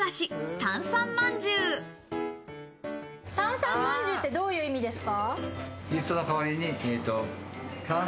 タンサンまんじゅうって、どういう意味ですか？